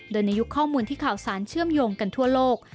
โดยในยุคข้อมูลที่ข่าวสารเชื่อมโยงกันทั่วโลก